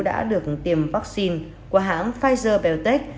đã được tiêm vaccine của hãng pfizer biontech